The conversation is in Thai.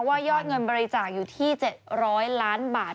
ยอดเงินบริจาคอยู่ที่๗๐๐ล้านบาท